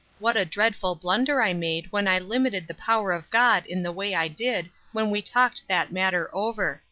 What a dreadful blunder I made when I limited the power of God in the way I did when we talked that matter over!